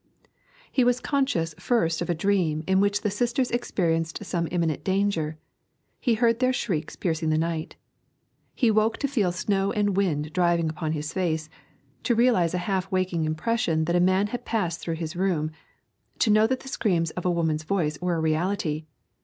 He was conscious first of a dream in which the sisters experienced some imminent danger; he heard their shrieks piercing the night. He woke to feel snow and wind driving upon his face, to realise a half waking impression that a man had passed through his room, to know that the screams of a woman's voice were a reality.